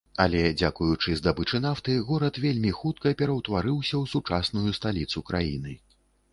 Але дзякуючы здабычы нафты, горад вельмі хутка пераўтварыўся ў сучасную сталіцу краіны.